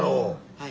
はい。